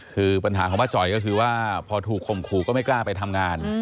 คือปัญหาของป้าจ๋อยก็คือว่าพอถูกข่มขู่ก็ไม่กล้าไปทำงาน